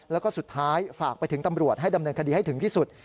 แล้วก็สุดท้ายฝากไปถึงตำรวจให้ดำเนินคดีให้ถึงที่สุด